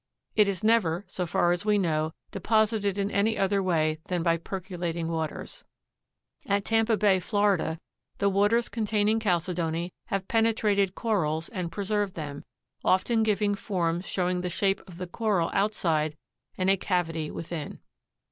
It is never, so far as we know, deposited in any other way than by percolating waters. At Tampa Bay, Florida, the waters containing chalcedony have penetrated corals and preserved them, often giving forms showing the shape of the coral outside and a cavity within.